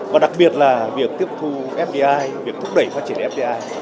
và đặc biệt là việc tiếp thu fdi việc thúc đẩy phát triển fdi